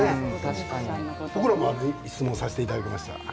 僕も質問させていただきました